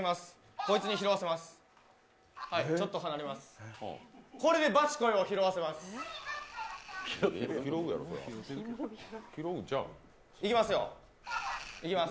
こいつに拾わせます。